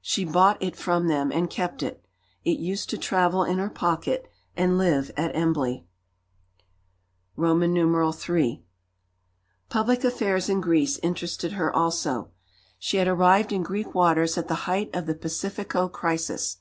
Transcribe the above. She bought it from them and kept it. It used to travel in her pocket, and lived at Embley. III Public affairs in Greece interested her also. She had arrived in Greek waters at the height of the "Pacifico crisis."